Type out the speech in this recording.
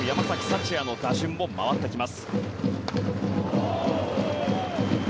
福也の打順も回ってきます。